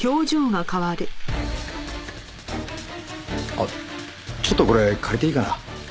あっちょっとこれ借りていいかな？